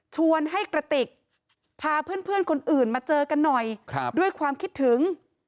ชวนให้กระติกพาเพื่อนคนอื่นมาเจอกันหน่อยด้วยความคิดถึง